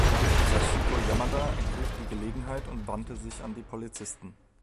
Sachiko Yamada ergriff die Gelegenheit und wandte sich an die Polizisten.